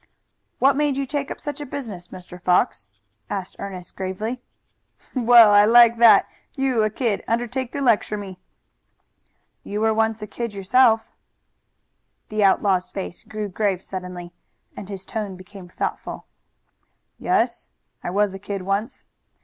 "What made you take up such a business, Mr. Fox?" asked Ernest gravely. "Well, I like that! You, a kid, undertake to lecture me." "You were once a kid yourself." The outlaw's face grew grave suddenly and his tone became thoughtful. "Yes, I was a kid once.